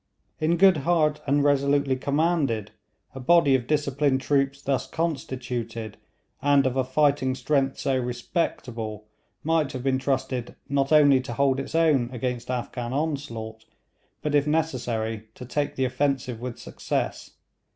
In good heart and resolutely commanded, a body of disciplined troops thus constituted, and of a fighting strength so respectable, might have been trusted not only to hold its own against Afghan onslaught, but if necessary to take the offensive with success.